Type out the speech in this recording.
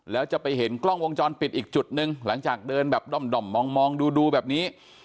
แล้วจะไปเห็นกล้องวงจรปิดอีกจุดหนึ่งหลังจากเดินแบบด่อมมองดูแบบนี้